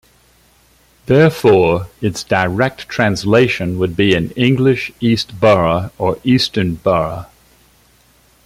Therefore, its direct translation would be in English East Borough or Eastern Borough.